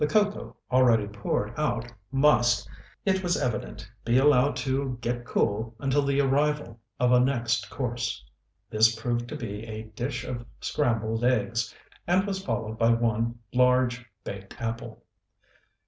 The cocoa, already poured out, must, it was evident, be allowed to get cool until the arrival of a next course. This proved to be a dish of scrambled eggs, and was followed by one large baked apple.